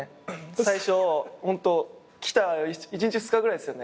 最初ホント来た１日２日ぐらいですよね。